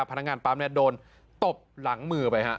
พนักงานปั๊มเนี่ยโดนตบหลังมือไปฮะ